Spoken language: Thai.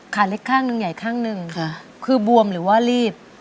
ขาเล็กข้างหนึ่งใหญ่ข้างหนึ่งคือบวมหรือว่ารีด